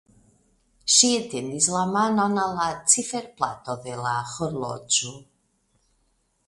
Ŝi etendis la manon al la ciferplato de la horloĝo.